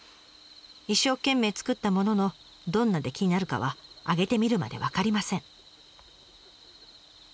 一生懸命作ったもののどんな出来になるかは上げてみるまで分かりません。